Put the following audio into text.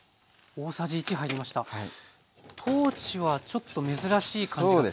トーチはちょっと珍しい感じがするんですけど。